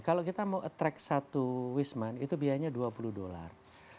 kalau kita mau attract satu wisman itu biayanya dua puluh dolar